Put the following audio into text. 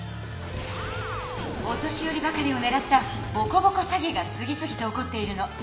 お年よりばかりをねらったボコボコ詐欺が次つぎと起こっているの。